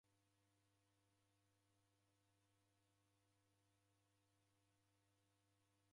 Wulongozi ni fwana ipoiye.